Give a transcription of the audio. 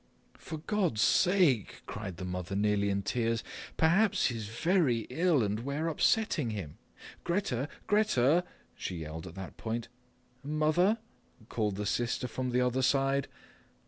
"For God's sake," cried the mother already in tears, "perhaps he's very ill and we're upsetting him. Grete! Grete!" she yelled at that point. "Mother?" called the sister from the other side.